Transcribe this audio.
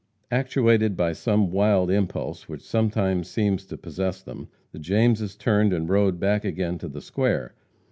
Actuated by some wild impulse which sometimes seems to possess them, the Jameses turned and rode back again to the square.